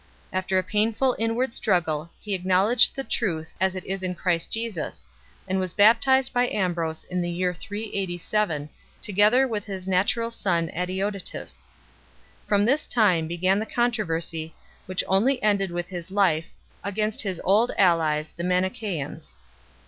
After a painful inward struggle he acknowledged the truth as it is in Christ Jesus, and was baptized by Ambrose in the year 387, together with his natural son Adeodatus. From this time began the controversy, which only ended with his life, against his old allies the Manichoeans.